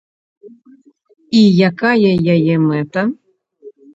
І якая яе мэта?